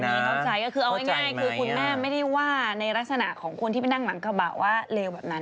คุณแม่ไม่ได้ว่าในลักษณะของคุณที่ไปนั่งหลังกระบะว่า